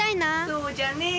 そうじゃねえ。